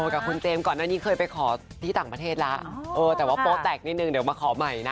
กับคุณเจมส์ก่อนหน้านี้เคยไปขอที่ต่างประเทศแล้วแต่ว่าโป๊แตกนิดนึงเดี๋ยวมาขอใหม่นะ